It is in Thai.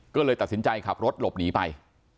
ก็เลยตัดสินใจขับรถหลบหนีไป